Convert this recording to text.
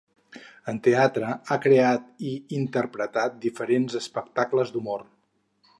En teatre ha creat i interpretat diferents espectacles d'humor.